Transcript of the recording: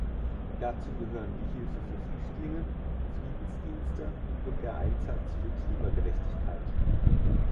Dazu gehören die Hilfe für Flüchtlinge, Friedensdienste und der Einsatz für Klimagerechtigkeit.